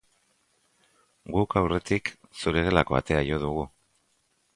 Guk, aurretik, zure gelako atea jo dugu.